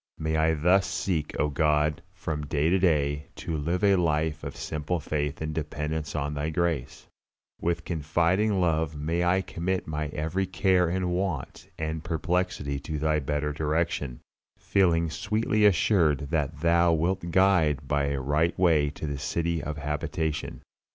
May I thus seek, O God, from day to day, to live a life of simple faith and dependence on Thy grace; with confiding love may I commit my every care and want and perplexity to Thy better direction, feeling sweetly assured that Thou wilt guide me by a right way to the city of habitation.